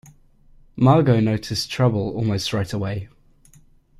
Margo noticed trouble almost right away.